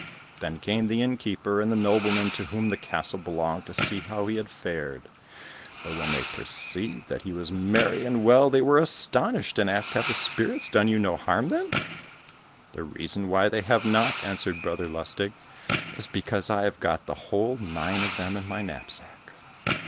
Then came the inn keeper, and the nobleman to whom the castle belonged, to see how he had fared; but when they perceived that he was merry and well they were astonished, and asked, "Have the spirits done you no harm, then?" "The reason why they have not," answered Brother Lustig, "is because I have got the whole nine of them in my knapsack!